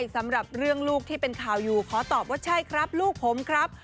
สำหรับเรื่องลูกที่เป็นข่าวอยู่ขอตอบว่าใช่ครับลูกผมครับ